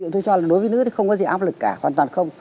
tôi cho là đối với nữ thì không có gì áp lực cả hoàn toàn không